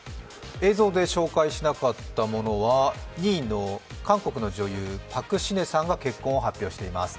映像で紹介しなかったものは２位の韓国の女優、パク・シネさんが結婚を発表しています。